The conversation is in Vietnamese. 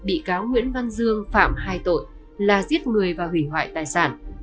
bị cáo nguyễn văn dương phạm hai tội là giết người và hủy hoại tài sản